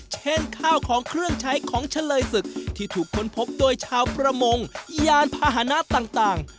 เช่นข้าวของเครื่องใช้ของเฉลยศึกที่ถูกค้นพบโดยชาวประมงยานพาหนะต่าง